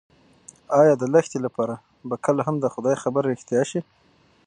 ایا د لښتې لپاره به کله هم د خدای خبره رښتیا شي؟